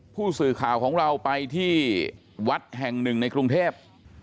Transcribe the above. ผู้สื่อข่าวของเราไปที่วัดแห่งหนึ่งในกรุงเทพ